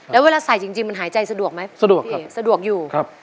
แล้วเวลาใส่จริงจริงมันหายใจสะดวกไหมสะดวกพี่สะดวกอยู่ครับ